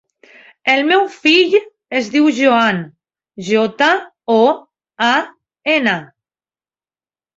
El meu fill es diu Joan: jota, o, a, ena.